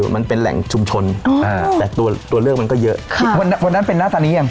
มันเป็นแหล่งชุมชนอ่าแต่ตัวตัวเลือกมันก็เยอะวันนั้นเป็นหน้าตอนนี้ยัง